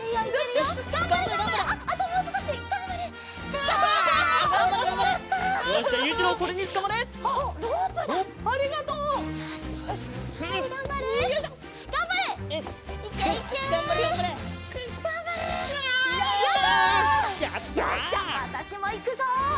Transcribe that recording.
よしじゃあわたしもいくぞ！